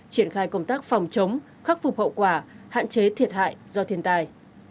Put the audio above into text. triển khai công tác phòng chống khắc phục hậu quả hạn chế thiệt hại do thiên tai